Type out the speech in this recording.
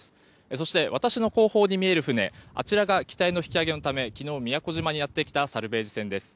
そして私の後方に見えるあちらが機体の引き揚げのため昨日、宮古島にやってきたサルベージ船です。